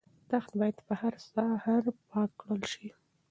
تخت باید په هره سهار پاک کړل شي.